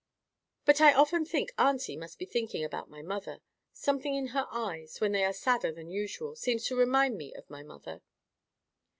But I often think auntie must be thinking about my mother. Something in her eyes, when they are sadder than usual, seems to remind me of my mother."